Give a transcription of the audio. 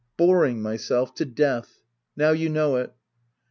l Boring myself to death. Now you know it.